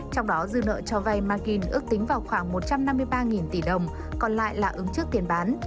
trong đó dư nợ cho vay margin ước tính vào khoảng một trăm năm mươi ba tỷ đồng còn lại là ứng trước tiền bán